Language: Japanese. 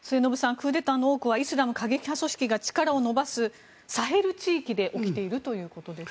クーデターの多くはイスラム過激派組織が力を伸ばすサヘル地域で起きているということです。